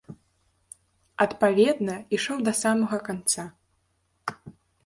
Адпаведна, ішоў да самага канца.